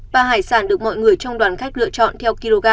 ba hải sản được mọi người trong đoàn khách lựa chọn theo kg